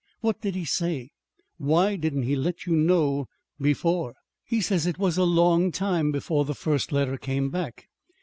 What did he say? Why didn't he let you know before?" "He says it was a long time before the first letter came back.